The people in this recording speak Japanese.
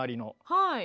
はい。